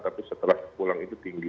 tapi setelah pulang itu tinggi